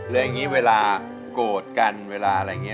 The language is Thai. แล้วอย่างนี้เวลาโกรธกันเวลาอะไรอย่างนี้